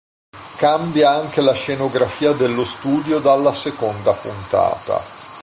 Cambia anche la scenografia dello studio dalla seconda puntata.